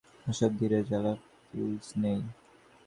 আমার সব ধীরে জ্বলা ফিউজ নেই।